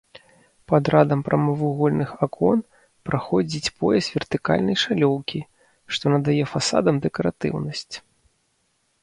Пад радам прамавугольных акон праходзіць пояс вертыкальнай шалёўкі, што надае фасадам дэкаратыўнасць.